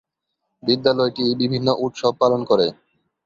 বিদ্যালয়টি বিভিন্ন উৎসব পালন করে।